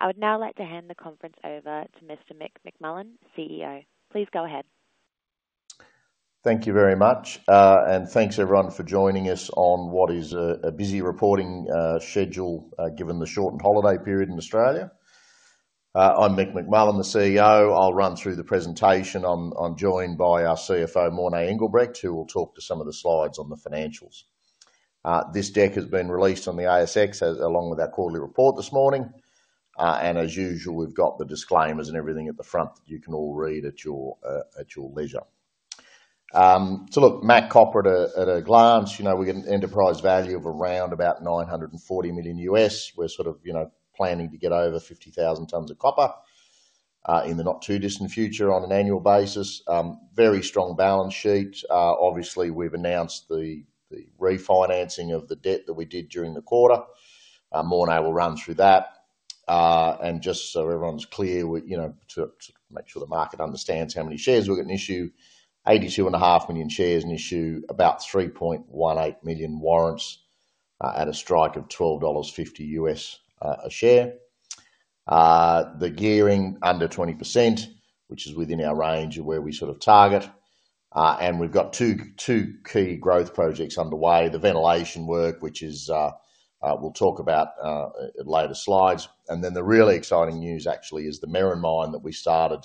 I would now like to hand the conference over to Mr. Mick McMullen, CEO. Please go ahead. Thank you very much, and thanks everyone for joining us on what is a busy reporting schedule given the shortened holiday period in Australia. I'm Mick McMullen, the CEO. I'll run through the presentation. I'm joined by our CFO, Morné Engelbrecht, who will talk to some of the slides on the financials. This deck has been released on the ASX along with our quarterly report this morning, and as usual, we've got the disclaimers and everything at the front that you can all read at your leisure. MAC Copper at a glance, we've got an enterprise value of around about $940 million. We're sort of planning to get over 50,000 tonnes of copper in the not-too-distant future on an annual basis. Very strong balance sheet. Obviously, we've announced the refinancing of the debt that we did during the quarter. Morné will run through that. Just so everyone's clear, to make sure the market understands how many shares we've got in issue, 82.5 million shares in issue, about 3.18 million warrants at a strike of $12.50 a share. The gearing under 20%, which is within our range of where we sort of target. We have two key growth projects underway, the ventilation work, which we'll talk about in later slides. The really exciting news actually is the Merrin Mine that we started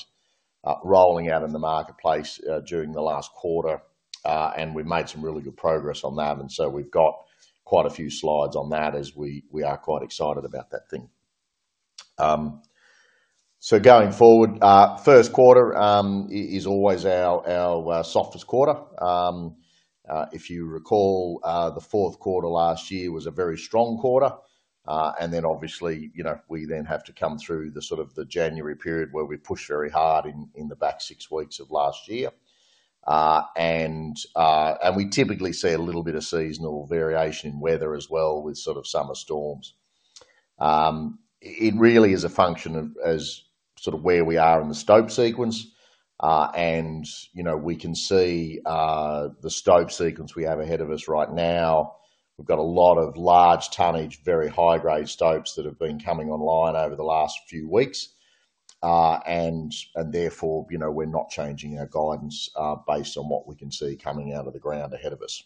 rolling out in the marketplace during the last quarter, and we've made some really good progress on that. We have quite a few slides on that as we are quite excited about that thing. Going forward, first quarter is always our softest quarter. If you recall, the fourth quarter last year was a very strong quarter. Obviously, we then have to come through the sort of January period where we pushed very hard in the back six weeks of last year. We typically see a little bit of seasonal variation in weather as well with sort of summer storms. It really is a function of sort of where we are in the stope sequence. We can see the stope sequence we have ahead of us right now. We have a lot of large tonnage, very high-grade stopes that have been coming online over the last few weeks. Therefore, we are not changing our guidance based on what we can see coming out of the ground ahead of us.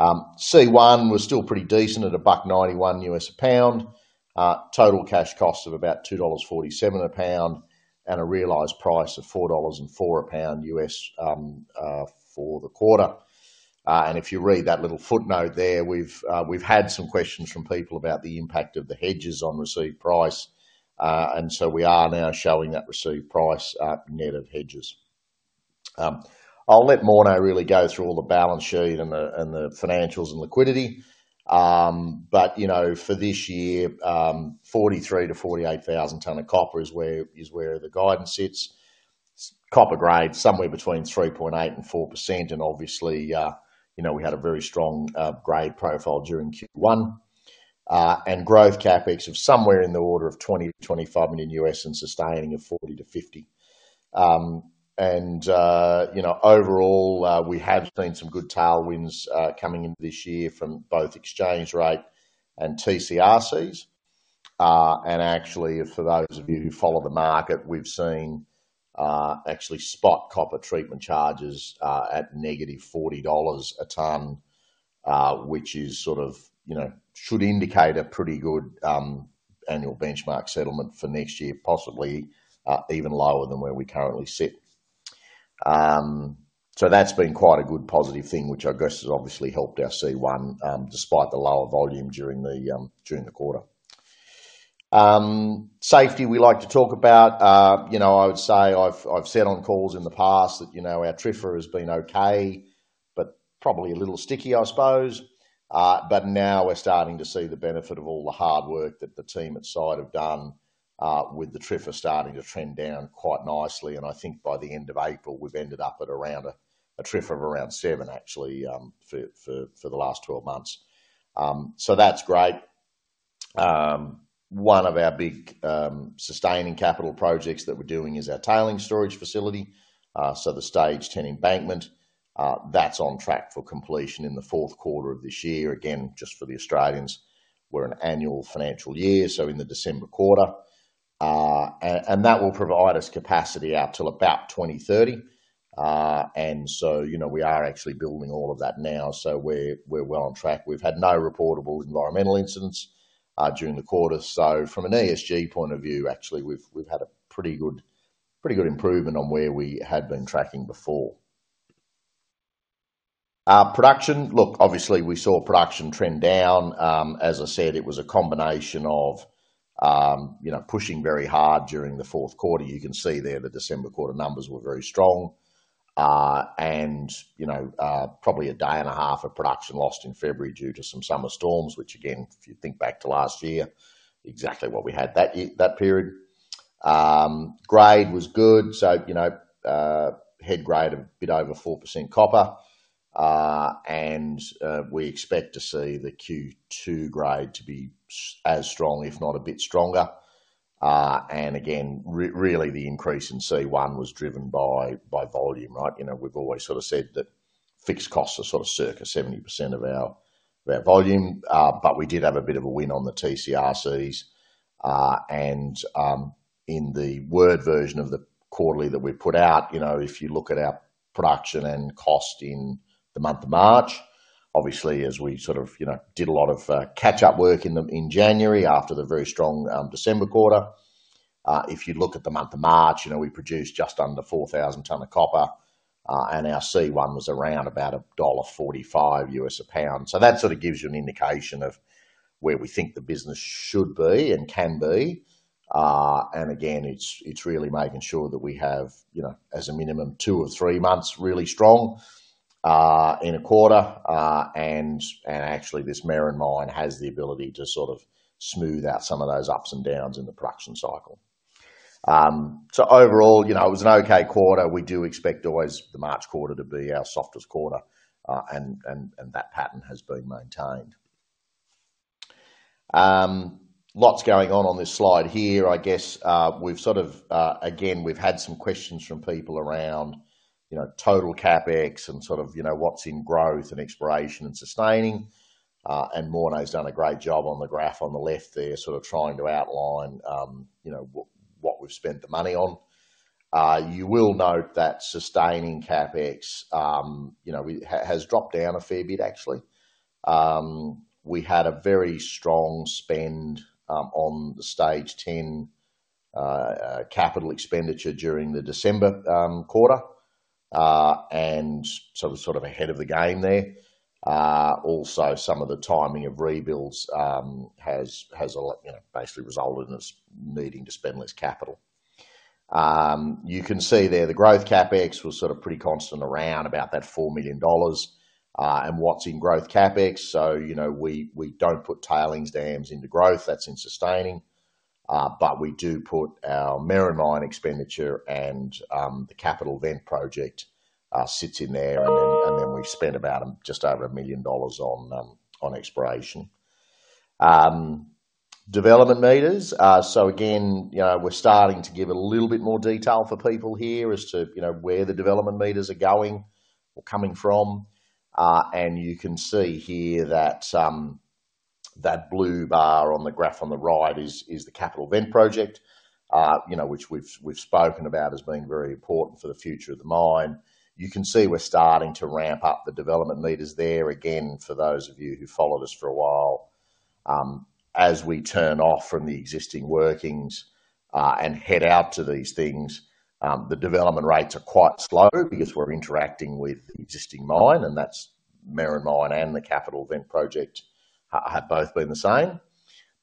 C1 was still pretty decent at $1.91 a pound US, total cash cost of about $2.47 a pound, and a realized price of $4.04 a pound U.S. for the quarter. If you read that little footnote there, we've had some questions from people about the impact of the hedges on received price. We are now showing that received price net of hedges. I'll let Morné really go through all the balance sheet and the financials and liquidity. For this year, 43,000-48,000 tonne of copper is where the guidance sits. Copper grade, somewhere between 3.8%-4%. Obviously, we had a very strong grade profile during Q1. Growth capEx of somewhere in the order of $20 million-$25 million and sustaining of $40 million-$50 million. Overall, we have seen some good tailwinds coming into this year from both exchange rate and TCRCs. Actually, for those of you who follow the market, we've seen spot copper treatment charges at negative $40 a tonne, which should indicate a pretty good annual benchmark settlement for next year, possibly even lower than where we currently sit. That has been quite a good positive thing, which I guess has obviously helped our C1 despite the lower volume during the quarter. Safety we like to talk about. I would say I've said on calls in the past that our TRIFR has been okay, but probably a little sticky, I suppose. Now we're starting to see the benefit of all the hard work that the team at site have done with the TRIFR starting to trend down quite nicely. I think by the end of April, we've ended up at around a TRIFR of around seven actually for the last 12 months. That is great. One of our big sustaining capital projects that we are doing is our tailings storage facility. The stage 10 embankment is on track for completion in the fourth quarter of this year. Again, just for the Australians, we are an annual financial year, so in the December quarter. That will provide us capacity out till about 2030. We are actually building all of that now. We are well on track. We have had no reportable environmental incidents during the quarter. From an ESG point of view, actually, we have had a pretty good improvement on where we had been tracking before. Production, look, obviously we saw production trend down. As I said, it was a combination of pushing very hard during the fourth quarter. You can see there the December quarter numbers were very strong. Probably a day and a half of production lost in February due to some summer storms, which again, if you think back to last year, exactly what we had that period. Grade was good. Head grade a bit over 4% copper. We expect to see the Q2 grade to be as strong, if not a bit stronger. Really the increase in C1 was driven by volume, right? We've always sort of said that fixed costs are sort of circa 70% of our volume, but we did have a bit of a win on the TCRCs. In the word version of the quarterly that we put out, if you look at our production and cost in the month of March, obviously as we sort of did a lot of catch-up work in January after the very strong December quarter, if you look at the month of March, we produced just under 4,000 tonne of copper. Our C1 was around about $1.45 a pound. That sort of gives you an indication of where we think the business should be and can be. Again, it's really making sure that we have, as a minimum, two or three months really strong in a quarter. Actually, this Merrin Mine has the ability to sort of smooth out some of those ups and downs in the production cycle. Overall, it was an okay quarter. We do expect always the March quarter to be our softest quarter, and that pattern has been maintained. Lots going on on this slide here, I guess. We've sort of, again, we've had some questions from people around total CapEx and sort of what's in growth and exploration and sustaining. And Morné has done a great job on the graph on the left there, sort of trying to outline what we've spent the money on. You will note that sustaining CapEx has dropped down a fair bit, actually. We had a very strong spend on the stage 10 capital expenditure during the December quarter, and so we're sort of ahead of the game there. Also, some of the timing of rebuilds has basically resulted in us needing to spend less capital. You can see there the growth CapEx was sort of pretty constant around about that $4 million. What's in growth CapEx? We do not put tailings dams into growth, that is in sustaining. We do put our Merrin Mine expenditure and the capital Vent Project sits in there. We spend about just over $1 million on exploration. Development meters. We are starting to give a little bit more detail for people here as to where the development meters are going or coming from. You can see here that blue bar on the graph on the right is the capital Vent Project, which we have spoken about as being very important for the future of the mine. You can see we are starting to ramp up the development meters there again for those of you who have followed us for a while. As we turn off from the existing workings and head out to these things, the development rates are quite slow because we're interacting with the existing mine. That is Merrin Mine and the capital Vent Project have both been the same.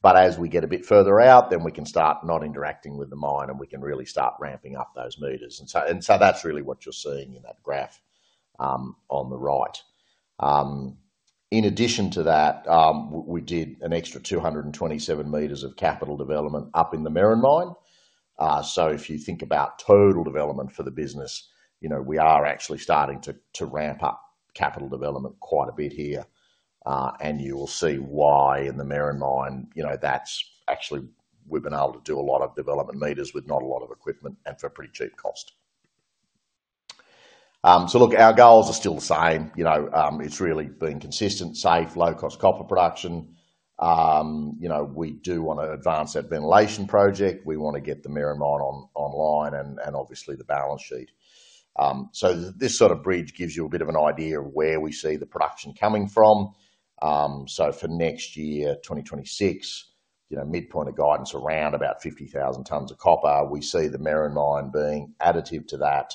As we get a bit further out, we can start not interacting with the mine and we can really start ramping up those meters. That is really what you're seeing in that graph on the right. In addition to that, we did an extra 227 meters of capital development up in the Merrin Mine. If you think about total development for the business, we are actually starting to ramp up capital development quite a bit here. You will see why in the Merrin Mine, that's actually we've been able to do a lot of development meters with not a lot of equipment and for a pretty cheap cost. Look, our goals are still the same. It's really been consistent, safe, low-cost copper production. We do want to advance that ventilation project. We want to get the Merrin Mine online and obviously the balance sheet. This sort of bridge gives you a bit of an idea of where we see the production coming from. For next year, 2026, midpoint of guidance around about 50,000 tonnes of copper. We see the Merrin Mine being additive to that.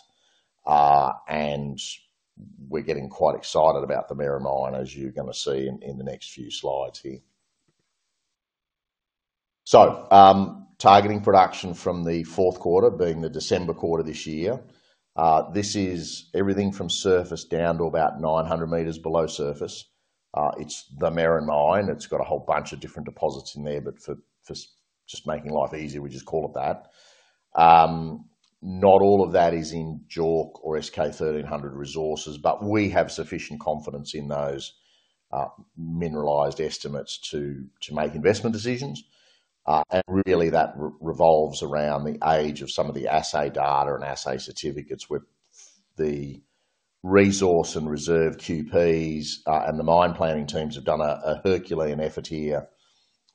We're getting quite excited about the Merrin Mine, as you're going to see in the next few slides here. Targeting production from the fourth quarter being the December quarter this year. This is everything from surface down to about 900 meters below surface. It's the Merrin Mine. It's got a whole bunch of different deposits in there, but for just making life easy, we just call it that. Not all of that is in JORC or S-K 1300 resources, but we have sufficient confidence in those mineralized estimates to make investment decisions. That really revolves around the age of some of the assay data and assay certificates with the resource and reserve QPs. The mine planning teams have done a Herculean effort here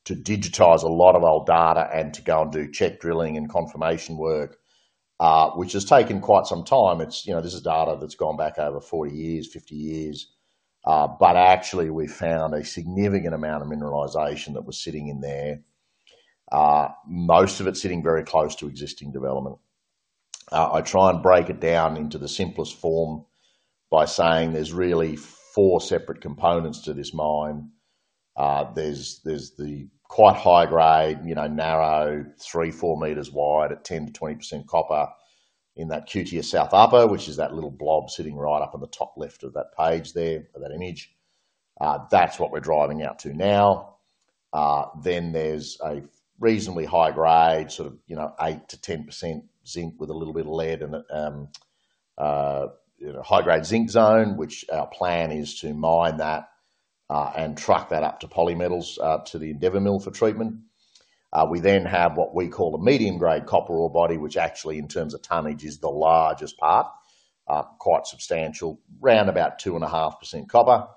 to digitize a lot of old data and to go and do check drilling and confirmation work, which has taken quite some time. This is data that's gone back over 40 years, 50 years. Actually, we found a significant amount of mineralization that was sitting in there, most of it sitting very close to existing development. I try and break it down into the simplest form by saying there's really four separate components to this mine. There's the quite high-grade, narrow, three, four meters wide at 10-20% copper in that QTS South Upper, which is that little blob sitting right up in the top left of that page there, that image. That's what we're driving out to now. There is a reasonably high-grade, sort of 8-10% zinc with a little bit of lead in it, high-grade zinc zone, which our plan is to mine that and truck that up to Polymetals to the Endeavour mill for treatment. We then have what we call a medium-grade copper ore body, which actually in terms of tonnage is the largest part, quite substantial, around about 2.5% copper.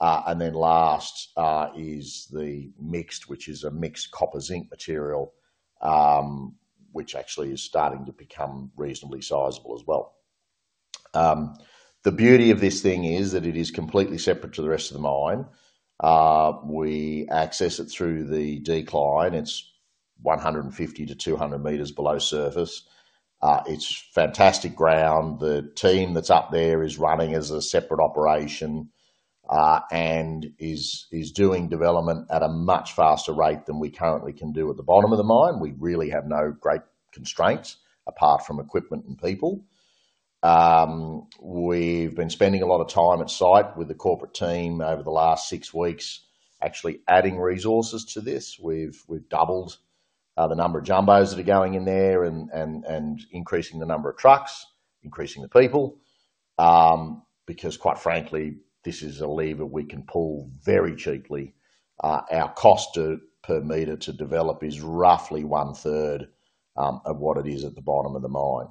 Last is the mixed, which is a mixed copper zinc material, which actually is starting to become reasonably sizable as well. The beauty of this thing is that it is completely separate to the rest of the mine. We access it through the decline. It is 150-200 meters below surface. It is fantastic ground. The team that is up there is running as a separate operation and is doing development at a much faster rate than we currently can do at the bottom of the mine. We really have no great constraints apart from equipment and people. We have been spending a lot of time at site with the corporate team over the last six weeks, actually adding resources to this. We have doubled the number of jumbos that are going in there and increasing the number of trucks, increasing the people. Because quite frankly, this is a lever we can pull very cheaply. Our cost per meter to develop is roughly one-third of what it is at the bottom of the mine.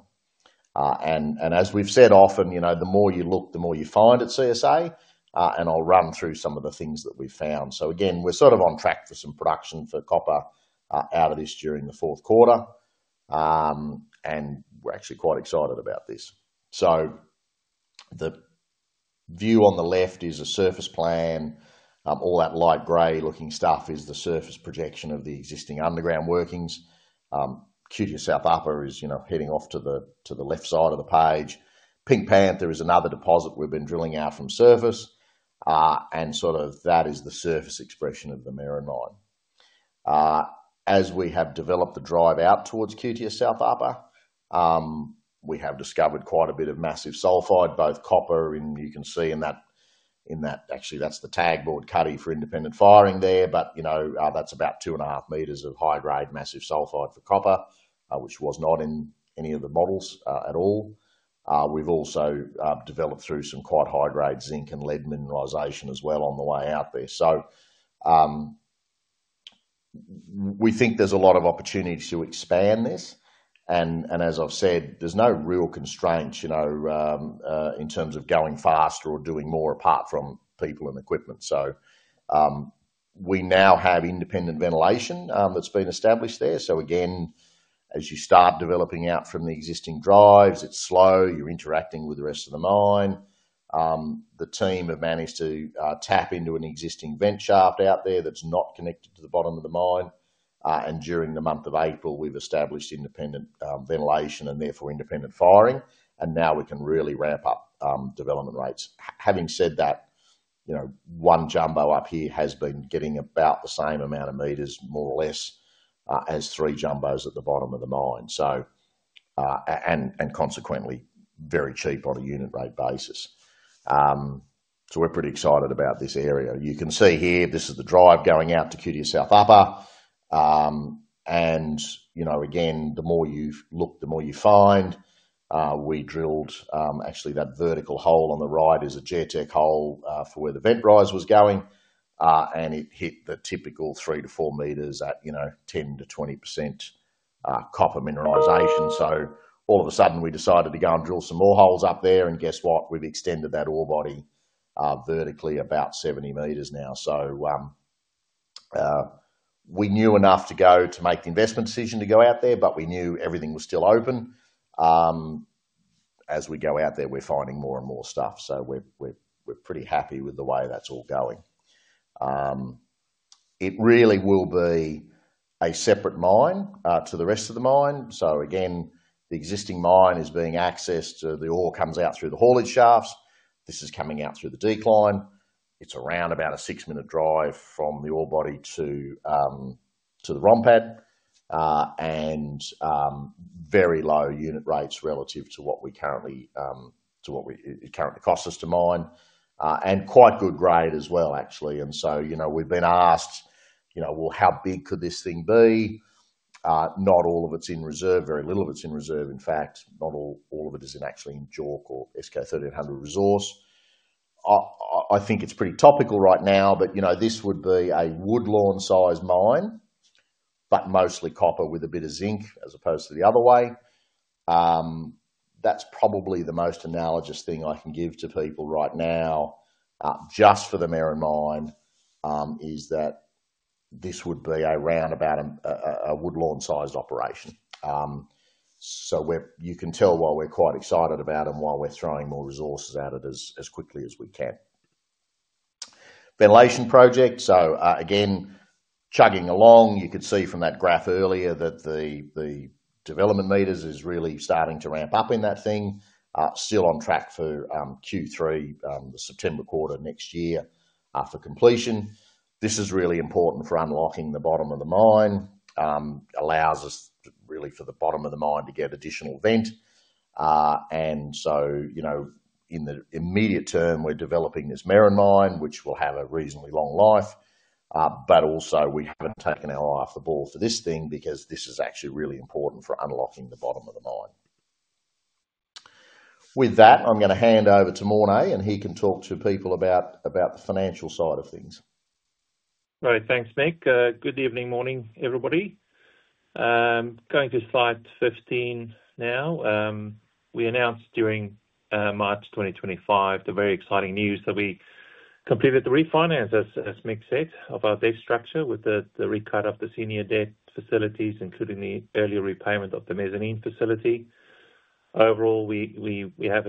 As we've said often, the more you look, the more you find at CSA. I'll run through some of the things that we've found. We are sort of on track for some production for copper out of this during the fourth quarter. We're actually quite excited about this. The view on the left is a surface plan. All that light gray looking stuff is the surface projection of the existing underground workings. QTS South Upper is heading off to the left side of the page. Pink Panther is another deposit we've been drilling out from surface. That is the surface expression of the Merrin Mine. As we have developed the drive out towards QTS South Upper, we have discovered quite a bit of massive sulfide, both copper. You can see in that, actually, that's the tag board cuddy for independent firing there. That's about 2.5 meters of high-grade massive sulfide for copper, which was not in any of the models at all. We've also developed through some quite high-grade zinc and lead mineralization as well on the way out there. We think there's a lot of opportunity to expand this. As I've said, there's no real constraints in terms of going faster or doing more apart from people and equipment. We now have independent ventilation that's been established there. Again, as you start developing out from the existing drives, it's slow. You're interacting with the rest of the mine. The team have managed to tap into an existing vent shaft out there that's not connected to the bottom of the mine. During the month of April, we've established independent ventilation and therefore independent firing. Now we can really ramp up development rates. Having said that, one jumbo up here has been getting about the same amount of meters, more or less, as three jumbos at the bottom of the mine. Consequently, very cheap on a unit rate basis. We're pretty excited about this area. You can see here, this is the drive going out to QTS South upper. The more you look, the more you find. We drilled, actually, that vertical hole on the right is a geotech hole for where the vent raise was going. It hit the typical 3-4 meters at 10-20% copper mineralization. All of a sudden, we decided to go and drill some more holes up there. And guess what? We've extended that ore body vertically about 70 meters now. We knew enough to go to make the investment decision to go out there, but we knew everything was still open. As we go out there, we're finding more and more stuff. We're pretty happy with the way that's all going. It really will be a separate mine to the rest of the mine. Again, the existing mine is being accessed. The ore comes out through the haulage shafts. This is coming out through the decline. It's around about a six-minute drive from the ore body to the ROM pad. Very low unit rates relative to what we currently to what it currently costs us to mine. Quite good grade as well, actually. We have been asked, well, how big could this thing be? Not all of it is in reserve. Very little of it is in reserve. In fact, not all of it is actually in JORC or S-K 1300 resource. I think it is pretty topical right now, but this would be a Woodlawn-sized mine, but mostly copper with a bit of zinc as opposed to the other way. That is probably the most analogous thing I can give to people right now just for the Merrin Mine is that this would be around about a Woodlawn-sized operation. You can tell why we are quite excited about it and why we are throwing more resources at it as quickly as we can. Ventilation project. Again, chugging along, you could see from that graph earlier that the development meters is really starting to ramp up in that thing. Still on track for Q3, the September quarter next year after completion. This is really important for unlocking the bottom of the mine. Allows us really for the bottom of the mine to get additional vent. In the immediate term, we're developing this Merrin Mine, which will have a reasonably long life. Also, we haven't taken our eye off the ball for this thing because this is actually really important for unlocking the bottom of the mine. With that, I'm going to hand over to Morné, and he can talk to people about the financial side of things. Right. Thanks, Mick. Good evening, morning, everybody. Going to slide 15 now. We announced during March 2025 the very exciting news that we completed the refinance, as Mick said, of our debt structure with the recut of the senior debt facilities, including the earlier repayment of the mezzanine facility. Overall, we have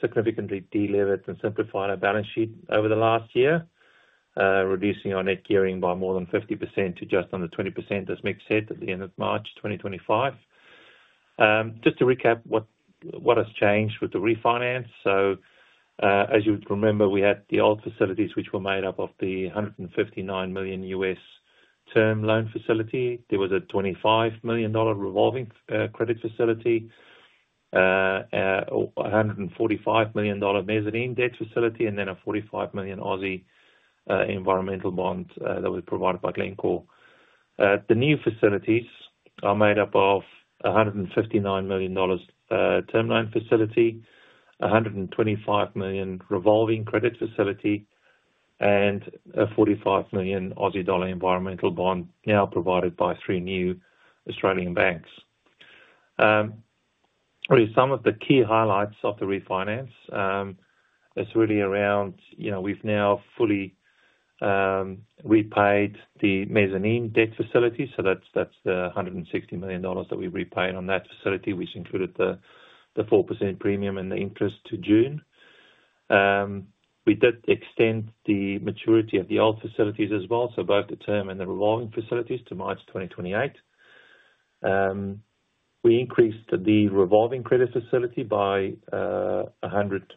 significantly delivered and simplified our balance sheet over the last year, reducing our net gearing by more than 50% to just under 20%, as Mick said, at the end of March 2025. Just to recap what has changed with the refinance. As you would remember, we had the old facilities, which were made up of the $159 million U.S. term loan facility. There was a $25 million revolving credit facility, a $145 million mezzanine debt facility, and then a 45 million environmental bond that was provided by Glencore. The new facilities are made up of a $159 million term loan facility, a $125 million revolving credit facility, and a 45 million Aussie dollar environmental bond now provided by three new Australian banks. Some of the key highlights of the refinance is really around we've now fully repaid the mezzanine debt facility. That's the $160 million that we've repaid on that facility, which included the 4% premium and the interest to June. We did extend the maturity of the old facilities as well, so both the term and the revolving facilities to March 2028. We increased the revolving credit facility by $100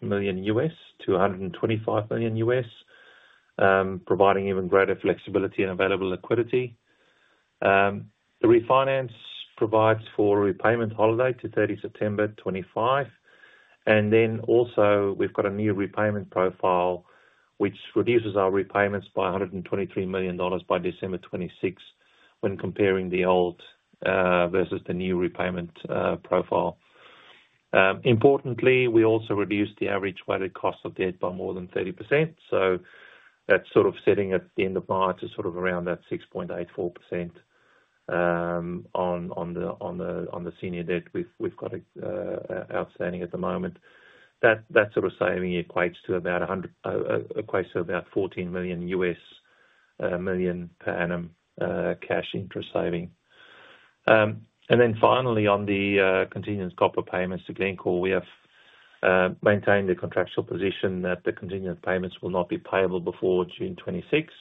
million to $125 million, providing even greater flexibility and available liquidity. The refinance provides for repayment holiday to 30 September 2025. We have a new repayment profile, which reduces our repayments by $123 million by December 2026 when comparing the old versus the new repayment profile. Importantly, we also reduced the average weighted cost of debt by more than 30%. That is setting at the end of March to around 6.84% on the senior debt we've got outstanding at the moment. That sort of saving equates to about $14 million per annum cash interest saving. Finally, on the continuous copper payments to Glencore, we have maintained the contractual position that the continuous payments will not be payable before June 2026,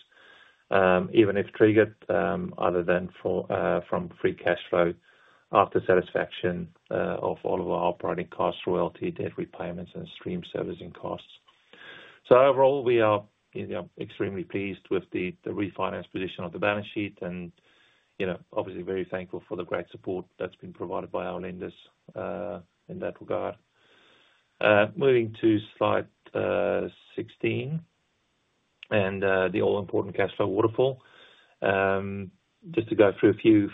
even if triggered, other than from free cash flow after satisfaction of all of our operating costs, royalty, debt repayments, and stream servicing costs. Overall, we are extremely pleased with the refinance position of the balance sheet and obviously very thankful for the great support that has been provided by our lenders in that regard. Moving to slide 16 and the all-important cash flow waterfall. Just to go through a few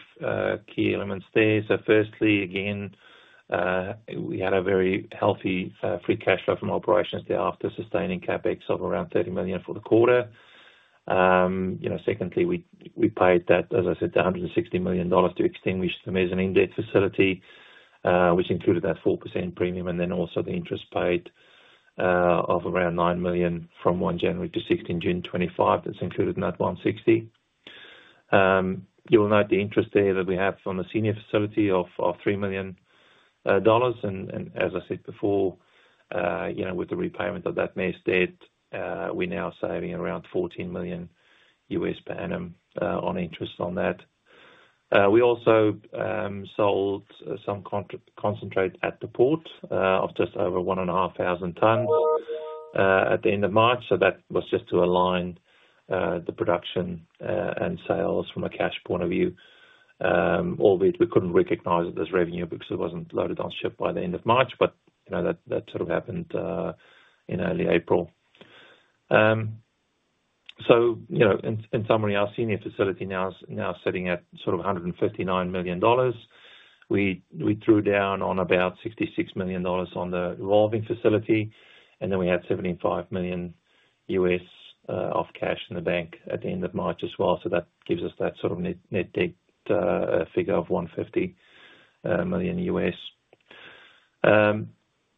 key elements there. Firstly, again, we had a very healthy free cash flow from operations there after sustaining CapEx of around $30 million for the quarter. Secondly, we paid that, as I said, $160 million to extinguish the mezzanine debt facility, which included that 4% premium and then also the interest paid of around $9 million from January 1 to June 16, 2025, that's included in that $160 million. You will note the interest there that we have on the senior facility of $3 million. As I said before, with the repayment of that mezzanine debt, we're now saving around $14 million per annum on interest on that. We also sold some concentrate at the port of just over 1,500 tonnes at the end of March. That was just to align the production and sales from a cash point of view. Albeit we couldn't recognize it as revenue because it wasn't loaded on ship by the end of March, but that happened in early April. In summary, our senior facility now is sitting at sort of $159 million. We drew down on about $66 million on the revolving facility. Then we had $75 million of cash in the bank at the end of March as well. That gives us that sort of net debt figure of $150 million.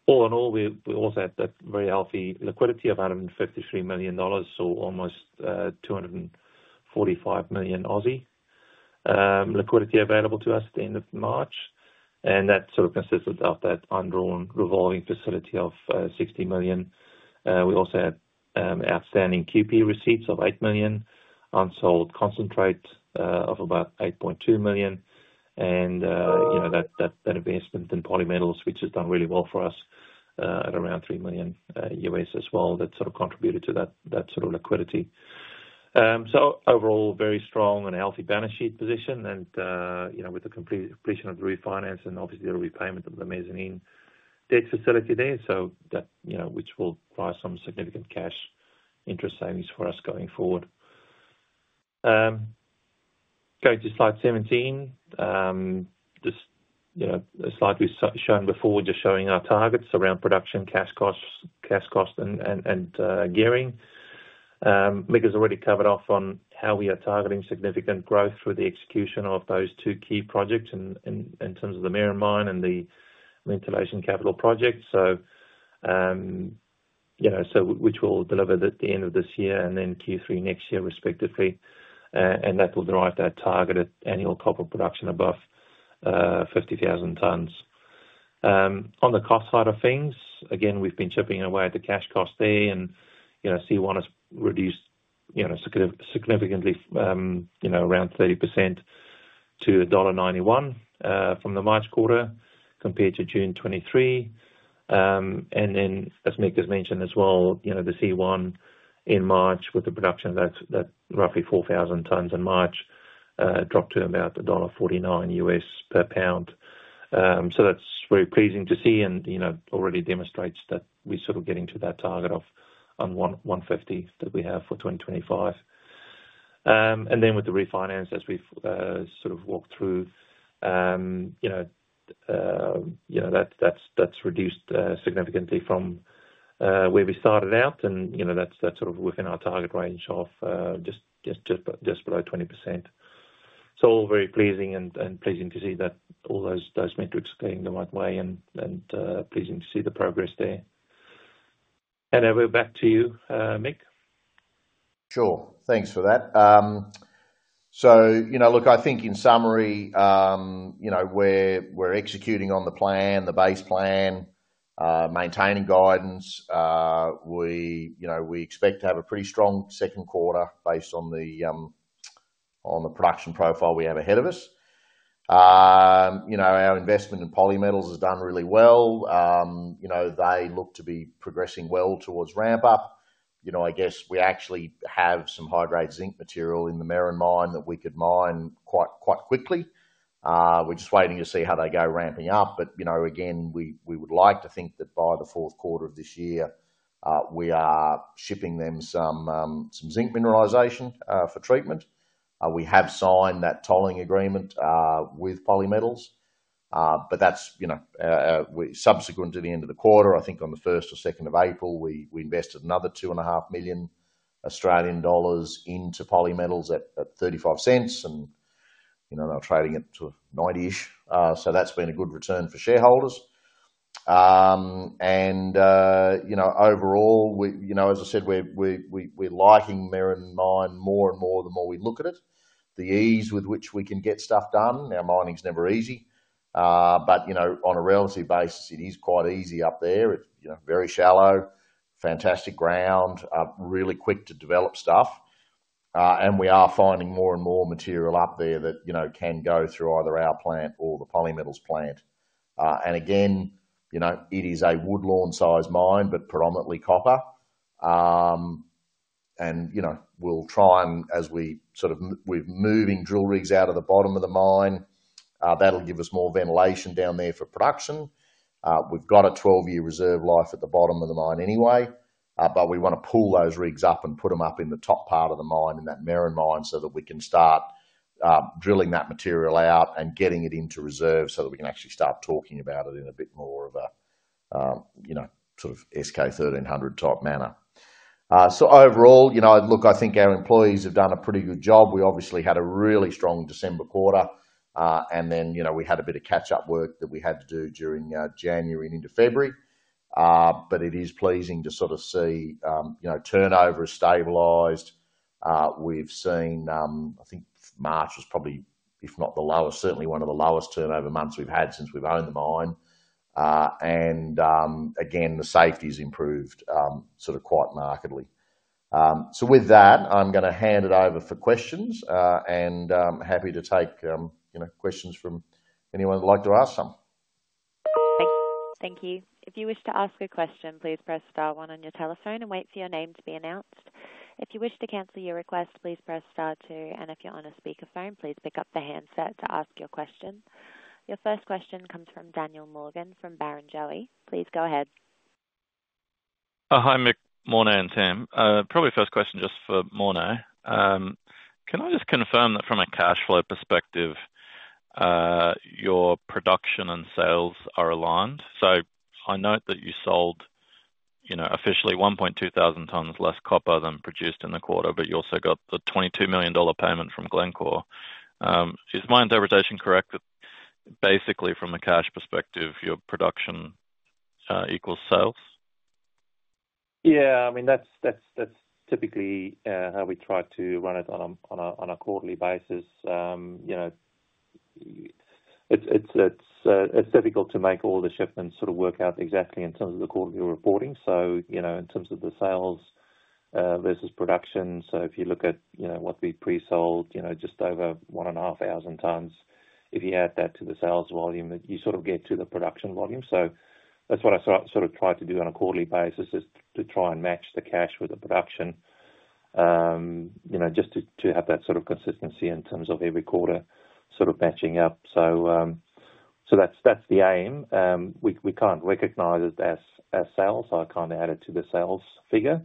All in all, we also had that very healthy liquidity of $153 million, so almost 245 million Aussie dollars liquidity available to us at the end of March. That sort of consisted of that undrawn revolving facility of $60 million. We also had outstanding QP receipts of $8 million, unsold concentrate of about $8.2 million, and that investment in Polymetals, which has done really well for us at around $3 million as well. That sort of contributed to that sort of liquidity. Overall, very strong and healthy balance sheet position. With the completion of the refinance and obviously the repayment of the mezzanine debt facility there, that will drive some significant cash interest savings for us going forward. Going to slide 17, the slide we have shown before, just showing our targets around production, cash cost, and gearing. Mick has already covered off on how we are targeting significant growth through the execution of those two key projects in terms of the Merrin Mine and the ventilation capital project, which will deliver at the end of this year and then Q3 next year, respectively. That will drive that targeted annual copper production above 50,000 tonnes. On the cost side of things, again, we have been chipping away at the cash cost there. C1 has reduced significantly, around 30%, to $1.91 from the March quarter compared to June 2023. As Mick has mentioned as well, the C1 in March with the production of that roughly 4,000 tonnes in March dropped to about $1.49 U.S. per pound. That is very pleasing to see and already demonstrates that we're sort of getting to that target of 150 that we have for 2025. With the refinance, as we've sort of walked through, that has reduced significantly from where we started out. That is within our target range of just below 20%. All very pleasing and pleasing to see that all those metrics are going the right way and pleasing to see the progress there. I will back to you, Mick. Sure. Thanks for that. I think in summary, we're executing on the plan, the base plan, maintaining guidance. We expect to have a pretty strong second quarter based on the production profile we have ahead of us. Our investment in Polymetals has done really well. They look to be progressing well towards ramp-up. I guess we actually have some high-grade zinc material in the Merrin Mine that we could mine quite quickly. We're just waiting to see how they go ramping up. We would like to think that by the fourth quarter of this year, we are shipping them some zinc mineralisation for treatment. We have signed that tolling agreement with Polymetals. That is subsequent to the end of the quarter. I think on the first or second of April, we invested another 2.5 million Australian dollars into Polymetals at 0.35 and now trading it to 0.90-ish. That has been a good return for shareholders. Overall, as I said, we're liking Merrin Mine more and more the more we look at it. The ease with which we can get stuff done. Mining's never easy. On a relative basis, it is quite easy up there. It's very shallow, fantastic ground, really quick to develop stuff. We are finding more and more material up there that can go through either our plant or the Polymetals plant. Again, it is a Woodlawn-sized mine, but predominantly copper. We'll try and as we're moving drill rigs out of the bottom of the mine, that'll give us more ventilation down there for production. We've got a 12-year reserve life at the bottom of the mine anyway. We want to pull those rigs up and put them up in the top part of the mine in that Merrin Mine so that we can start drilling that material out and getting it into reserve so that we can actually start talking about it in a bit more of a sort of S-K 1300-type manner. Overall, look, I think our employees have done a pretty good job. We obviously had a really strong December quarter. We had a bit of catch-up work that we had to do during January and into February. It is pleasing to sort of see turnover has stabilized. We've seen, I think March was probably, if not the lowest, certainly one of the lowest turnover months we've had since we've owned the mine. Again, the safety has improved sort of quite markedly. With that, I'm going to hand it over for questions. Happy to take questions from anyone who'd like to ask some. Thank you. If you wish to ask a question, please press star one on your telephone and wait for your name to be announced. If you wish to cancel your request, please press star two. If you're on a speakerphone, please pick up the handset to ask your question. Your first question comes from Daniel Morgan from Barrenjoey. Please go ahead. Hi, Mick, Morné and Team. Probably first question just for Morné. Can I just confirm that from a cash flow perspective, your production and sales are aligned? I note that you sold officially 1.2 thousand tonnes less copper than produced in the quarter, but you also got the $22 million payment from Glencore. Is my interpretation correct that basically from a cash perspective, your production equals sales? Yeah. I mean, that's typically how we try to run it on a quarterly basis. It's difficult to make all the shipments sort of work out exactly in terms of the quarterly reporting. In terms of the sales versus production, if you look at what we pre-sold, just over 1.5 thousand tonnes, if you add that to the sales volume, you sort of get to the production volume. That's what I sort of try to do on a quarterly basis, to try and match the cash with the production just to have that sort of consistency in terms of every quarter matching up. That's the aim. We can't recognize it as sales. I can't add it to the sales figure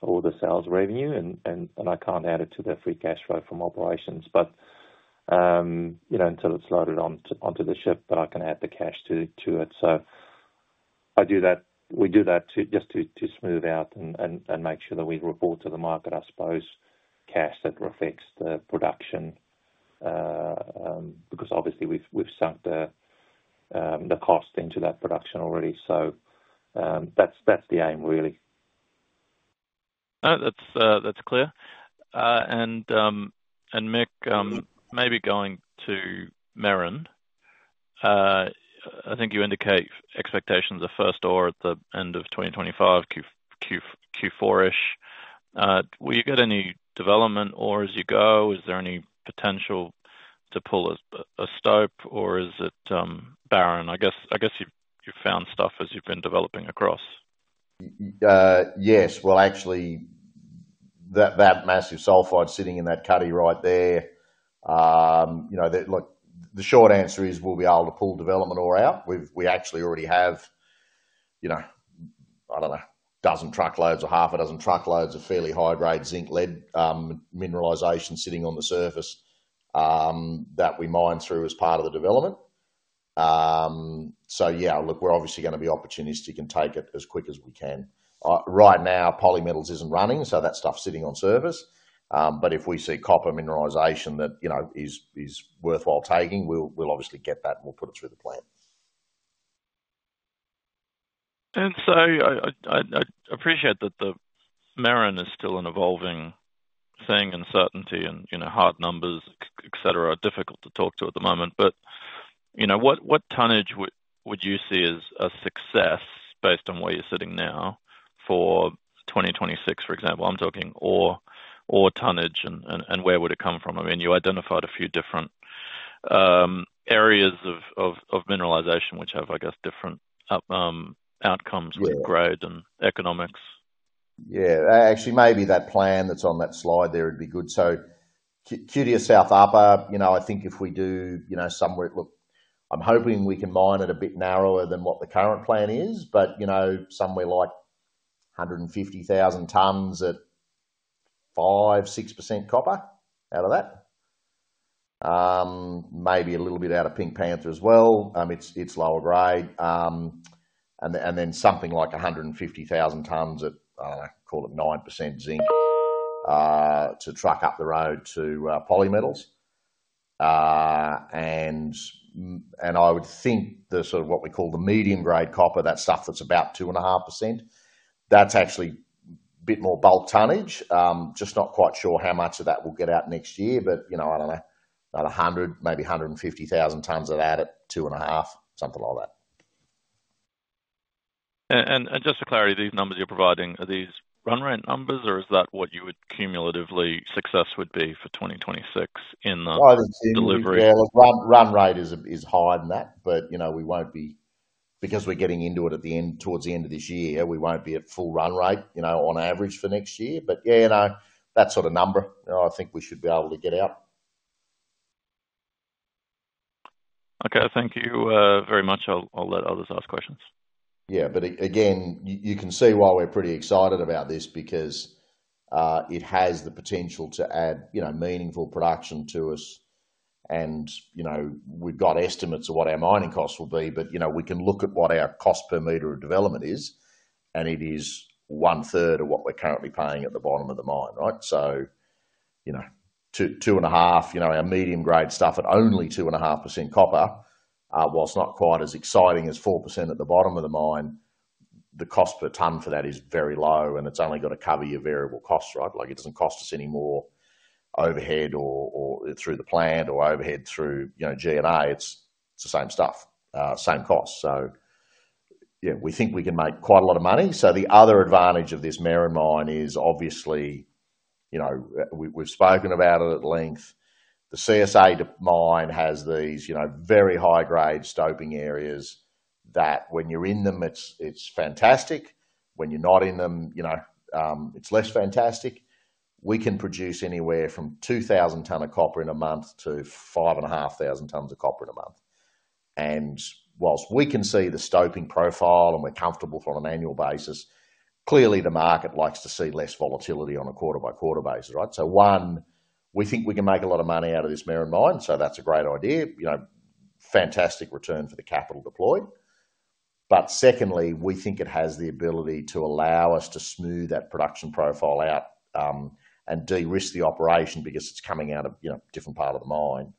or the sales revenue. I can't add it to the free cash flow from operations. Until it's loaded onto the ship, I can add the cash to it. We do that just to smooth out and make sure that we report to the market, I suppose. Cash that reflects the production because obviously we've sunk the cost into that production already. That's the aim, really. That's clear. Mick, maybe going to Merrin, I think you indicate expectations of first ore at the end of 2025, Q4-ish. Will you get any development ore as you go? Is there any potential to pull a stope, or is it barren? I guess you've found stuff as you've been developing across. Yes. Actually, that massive sulfide sitting in that cuddy right there, look, the short answer is we'll be able to pull development ore out. We actually already have, I don't know, a dozen truckloads or half a dozen truckloads of fairly high-grade zinc-lead mineralization sitting on the surface that we mine through as part of the development. Yeah, look, we're obviously going to be opportunistic and take it as quick as we can. Right now, Polymetals isn't running, so that stuff is sitting on surface. If we see copper mineralization that is worthwhile taking, we'll obviously get that and we'll put it through the plant. I appreciate that the Merrin is still an evolving thing and certainty and hard numbers, etc., are difficult to talk to at the moment. What tonnage would you see as a success based on where you're sitting now for 2026, for example? I'm talking ore tonnage and where would it come from? I mean, you identified a few different areas of mineralization which have, I guess, different outcomes with grade and economics? Yeah. Actually, maybe that plan that's on that slide there would be good. QTS South Upper, I think if we do somewhere, look, I'm hoping we can mine it a bit narrower than what the current plan is, but somewhere like 150,000 tonnes at 5%-6% copper out of that. Maybe a little bit out of Pink Panther as well. It's lower grade. Then something like 150,000 tonnes at, I don't know, call it 9% zinc to truck up the road to Polymetals. I would think the sort of what we call the medium-grade copper, that stuff that's about 2.5%, that's actually a bit more bulk tonnage. Just not quite sure how much of that will get out next year. I don't know, about 100, maybe 150,000 tonnes of that at 2.5, something like that. Just for clarity, these numbers you're providing, are these run rate numbers or is that what you would cumulatively success would be for 2026 in the delivery? Run rate is higher than that. We won't be because we're getting into it towards the end of this year, we won't be at full run rate on average for next year. Yeah, that sort of number, I think we should be able to get out. Okay. Thank you very much. I'll let others ask questions. Yeah. You can see why we're pretty excited about this because it has the potential to add meaningful production to us. We've got estimates of what our mining costs will be. We can look at what our cost per meter of development is, and it is one-third of what we're currently paying at the bottom of the mine, right? 2.5%, our medium-grade stuff at only 2.5% copper, whilst not quite as exciting as 4% at the bottom of the mine, the cost per tonne for that is very low. It has only got to cover your variable costs, right? It does not cost us any more overhead or through the plant or overhead through G&A. It is the same stuff, same cost. Yeah, we think we can make quite a lot of money. The other advantage of this Merrin Mine is obviously we have spoken about it at length. The CSA mine has these very high-grade stoping areas that when you are in them, it is fantastic. When you are not in them, it is less fantastic. We can produce anywhere from 2,000 tonne of copper in a month to 5,500 tonne of copper in a month. Whilst we can see the stoping profile and we're comfortable on an annual basis, clearly the market likes to see less volatility on a quarter-by-quarter basis, right? One, we think we can make a lot of money out of this Merrin Mine. That's a great idea. Fantastic return for the capital deployed. Secondly, we think it has the ability to allow us to smooth that production profile out and de-risk the operation because it's coming out of a different part of the mine,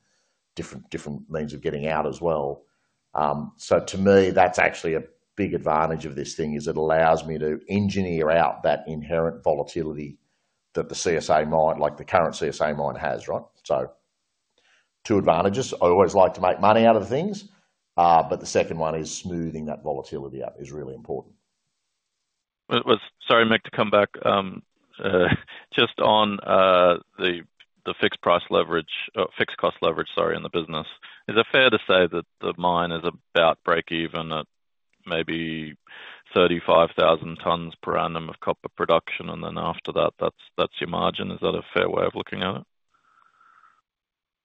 different means of getting out as well. To me, that's actually a big advantage of this thing. It allows me to engineer out that inherent volatility that the CSA mine, like the current CSA mine has, right? Two advantages. I always like to make money out of things. The second one is smoothing that volatility up is really important. Sorry, Mick, to come back. Just on the fixed cost leverage, in the business, is it fair to say that the mine is about break-even at maybe 35,000 tonne per annum of copper production? After that, that's your margin. Is that a fair way of looking at it?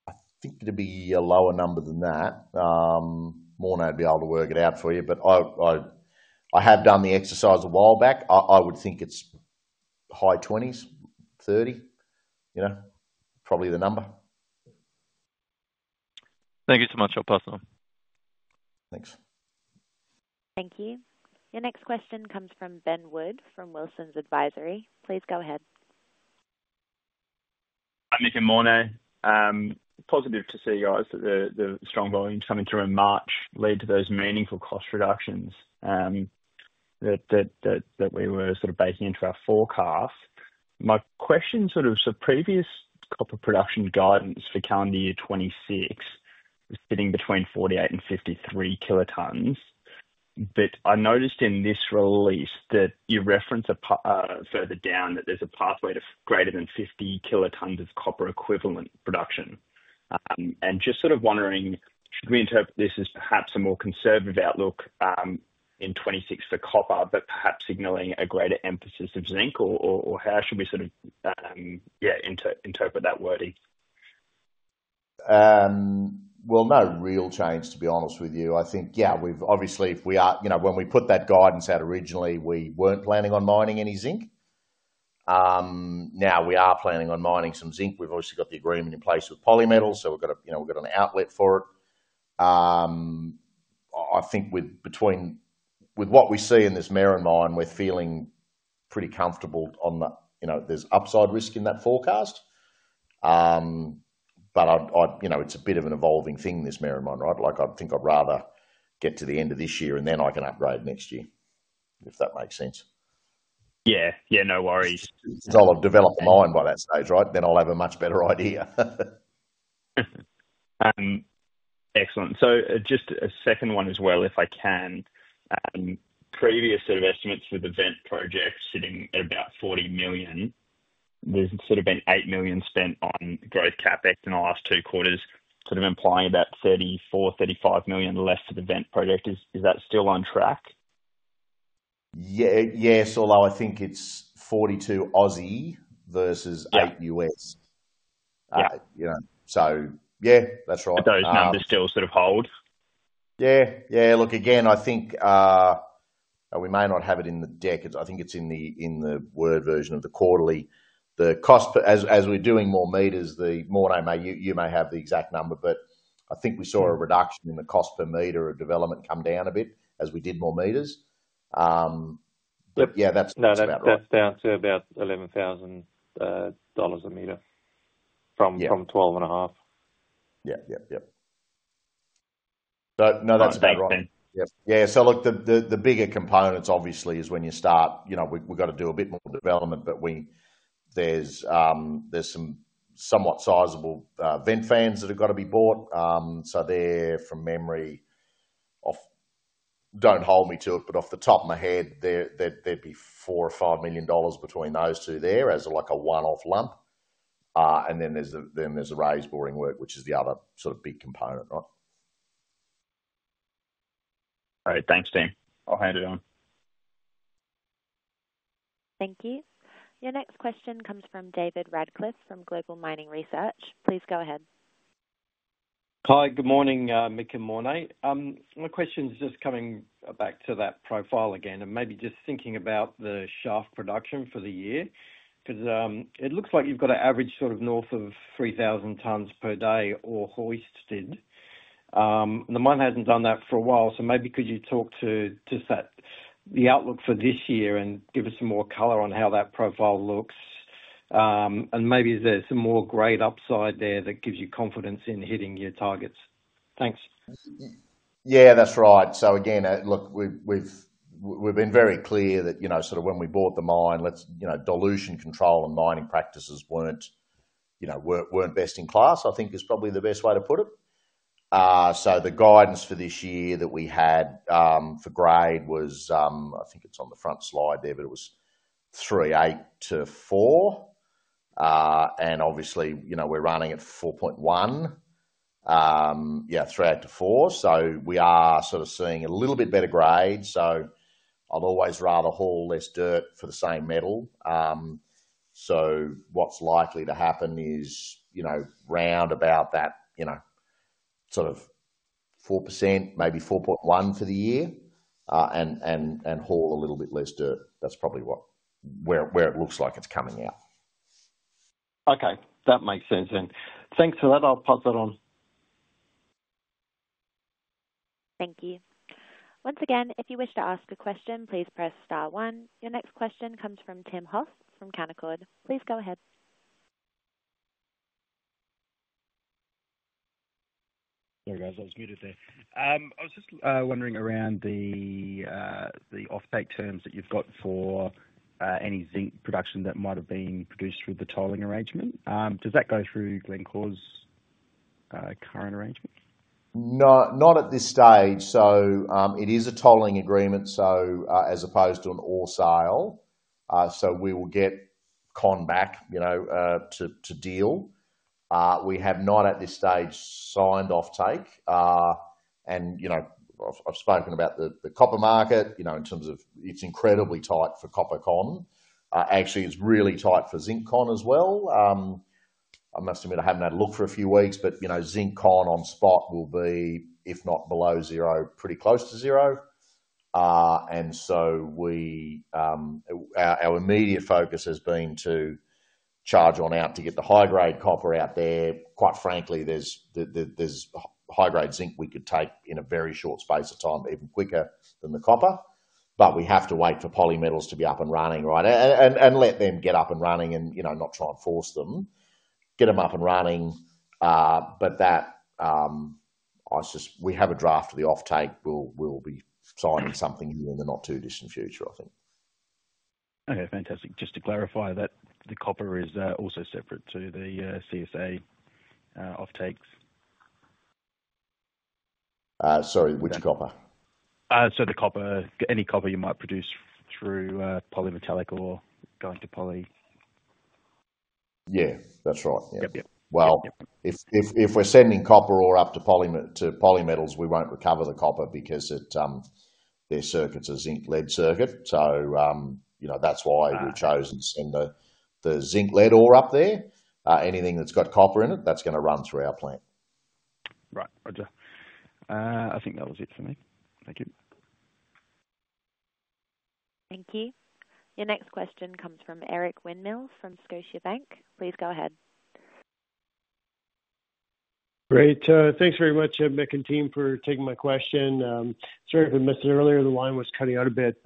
I think it'd be a lower number than that. Morné would be able to work it out for you. I have done the exercise a while back. I would think it's high 20s, 30, probably the number. Thank you so much. I'll pass it on. Thanks. Thank you. Your next question comes from Ben Wood from Wilsons Advisory. Please go ahead. Hi, Mick and Morné. Positive to see you guys. The strong volumes coming through in March led to those meaningful cost reductions that we were sort of baking into our forecast. My question sort of is the previous copper production guidance for calendar year 2026 was sitting between 48-53 kilotonnes. I noticed in this release that you reference further down that there's a pathway to greater than 50 kilotonnes of copper equivalent production. Just sort of wondering, should we interpret this as perhaps a more conservative outlook in 2026 for copper, but perhaps signaling a greater emphasis of zinc? Or how should we sort of, yeah, interpret that wording? No real change, to be honest with you. I think, yeah, obviously, when we put that guidance out originally, we were not planning on mining any zinc. Now we are planning on mining some zinc. We've obviously got the agreement in place with Polymetals, so we've got an outlet for it. I think with what we see in this Merrin Mine, we're feeling pretty comfortable on that there's upside risk in that forecast. But it's a bit of an evolving thing, this Merrin Mine, right? I think I'd rather get to the end of this year and then I can upgrade next year, if that makes sense. Yeah. Yeah. No worries. Because I'll have developed a mine by that stage, right? Then I'll have a much better idea. Excellent. Just a second one as well, if I can. Previous sort of estimates for the Vent Project sitting at about $40 million. There's sort of been $8 million spent on growth CapEx in the last two quarters, sort of implying about $34-35 million left for the Vent Project. Is that still on track? Yeah. Yes. Although I think it's 42 versus $8. So yeah, that's right. Those numbers still sort of hold. Yeah. Yeah. Look, again, I think we may not have it in the decades. I think it's in the Word version of the quarterly. As we're doing more meters, Morné, you may have the exact number, but I think we saw a reduction in the cost per meter of development come down a bit as we did more meters. Yeah. No, that's down to about $11,000 a meter from $12.5. Yeah. Yeah. Yeah. No, that's about right. Yeah. Look, the bigger components, obviously, is when you start, we've got to do a bit more development, but there's some somewhat sizable vent fans that have got to be bought. They're from memory, don't hold me to it, but off the top of my head, there'd be $4 million-$5 million between those two there as a one-off lump. Then there's the raise boring work, which is the other sort of big component, right? All right. Thanks, Mick. I'll hand it on. Thank you. Your next question comes from David Radclyffe from Global Mining Research. Please go ahead. Hi. Good morning, Mick and Morné. My question is just coming back to that profile again and maybe just thinking about the shaft production for the year because it looks like you've got an average sort of north of 3,000 tonnes per day or hoisted. The mine hasn't done that for a while. Maybe could you talk to just the outlook for this year and give us some more color on how that profile looks? Maybe is there some more grade upside there that gives you confidence in hitting your targets? Thanks. Yeah. That's right. Again, look, we've been very clear that sort of when we bought the mine, dilution control and mining practices were not best in class, I think is probably the best way to put it. The guidance for this year that we had for grade was, I think it's on the front slide there, but it was 3.8-4. And obviously, we're running at 4.1, yeah, 3.8-4. We are sort of seeing a little bit better grade. I'd always rather haul less dirt for the same metal. What's likely to happen is round about that sort of 4%, maybe 4.1% for the year, and haul a little bit less dirt. That's probably where it looks like it's coming out. Okay. That makes sense. Thanks for that. I'll pass that on. Thank you. Once again, if you wish to ask a question, please press star one. Your next question comes from Tim Hoff from Canaccord. Please go ahead. Sorry, guys. I was muted there. I was just wondering around the off-take terms that you've got for any zinc production that might have been produced through the tolling arrangement. Does that go through Glencore's current arrangement? Not at this stage. It is a tolling agreement as opposed to an ore sale. We will get con back to deal. We have not at this stage signed off-take. I've spoken about the copper market in terms of it's incredibly tight for copper con. Actually, it's really tight for zinc con as well. I must admit I haven't had a look for a few weeks, but zinc con on spot will be, if not below zero, pretty close to zero. Our immediate focus has been to charge on out to get the high-grade copper out there. Quite frankly, there's high-grade zinc we could take in a very short space of time, even quicker than the copper. We have to wait for Polymetals to be up and running, right? Let them get up and running and not try and force them. Get them up and running. We have a draft of the off-take. We'll be signing something here in the not too distant future, I think. Okay. Fantastic. Just to clarify that the copper is also separate to the CSA off-takes. Sorry, which copper? Any copper you might produce through polymetallic or going to Poly. Yeah. That's right. Yeah. If we're sending copper ore up to Polymetals, we won't recover the copper because their circuit's a zinc lead circuit. That's why we chose to send the zinc lead ore up there. Anything that's got copper in it, that's going to run through our plant. Right. Roger. I think that was it for me. Thank you. Thank you. Your next question comes from Eric Winmill from Scotiabank. Please go ahead. Great. Thanks very much, Mick and team, for taking my question. Sorry if I missed it earlier. The line was cutting out a bit.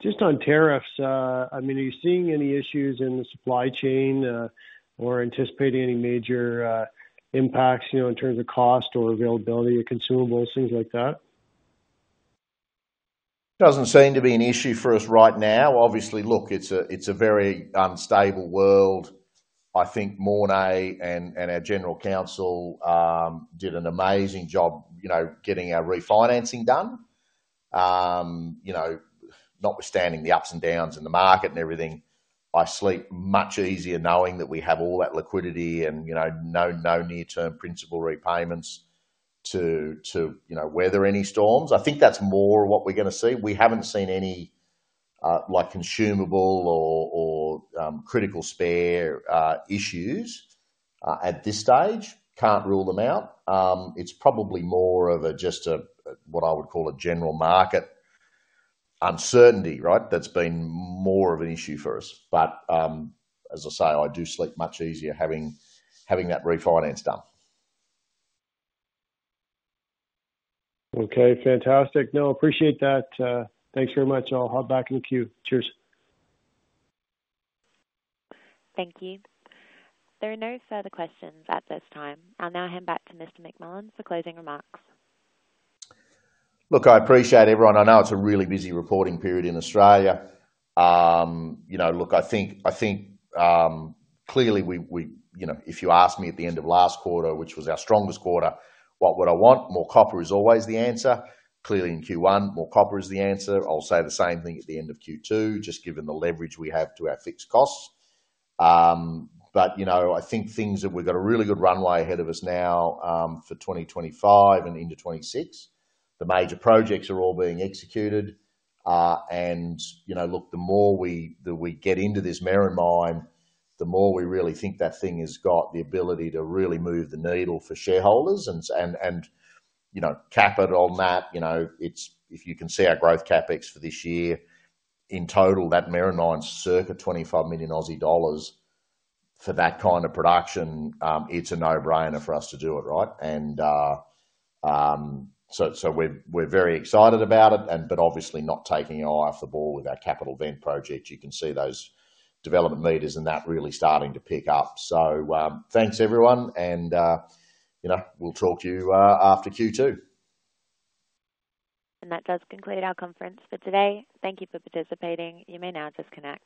Just on tariffs, I mean, are you seeing any issues in the supply chain or anticipating any major impacts in terms of cost or availability of consumables, things like that? Doesn't seem to be an issue for us right now. Obviously, look, it's a very unstable world. I think Morné and our General Counsel did an amazing job getting our refinancing done. Notwithstanding the ups and downs in the market and everything, I sleep much easier knowing that we have all that liquidity and no near-term principal repayments to weather any storms. I think that's more what we're going to see. We haven't seen any consumable or critical spare issues at this stage. Can't rule them out. It's probably more of just what I would call a general market uncertainty, right? That's been more of an issue for us. As I say, I do sleep much easier having that refinance done. Okay. Fantastic. No, appreciate that. Thanks very much. I'll hop back in the queue. Cheers. Thank you. There are no further questions at this time. I'll now hand back to Mr. McMullen for closing remarks. Look, I appreciate everyone. I know it's a really busy reporting period in Australia. Look, I think clearly, if you asked me at the end of last quarter, which was our strongest quarter, what would I want? More copper is always the answer. Clearly, in Q1, more copper is the answer. I'll say the same thing at the end of Q2, just given the leverage we have to our fixed costs. I think things that we've got a really good runway ahead of us now for 2025 and into 2026. The major projects are all being executed. Look, the more we get into this Merrin Mine, the more we really think that thing has got the ability to really move the needle for shareholders. Cap it on that. If you can see our growth CapEx for this year, in total, that Merrin Mine's circa AUD 25 million for that kind of production. It's a no-brainer for us to do it, right? We are very excited about it, obviously not taking our eye off the ball with our capital Ventilation Project. You can see those development meters and that really starting to pick up. Thanks, everyone. We will talk to you after Q2. That does conclude our conference for today. Thank you for participating. You may now disconnect.